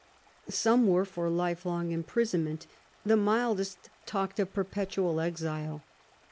Some were for lifelong imprisonment ; the mildest talked of perpetual exile.